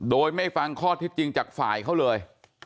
โดยไม่ฟังข้อเท็จจริงจากฝ่ายเขาเลย